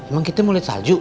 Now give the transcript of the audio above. emang kita mau liat salju